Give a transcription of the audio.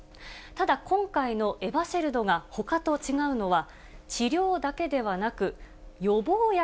ただ、今回のエバシェルドがほかと違うのは、治療だけではなく、予防薬